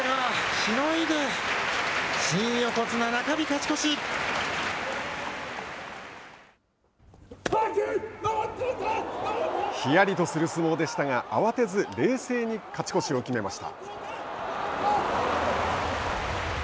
ひやりとする相撲でしたが慌てず冷静に勝ち越しを決めました。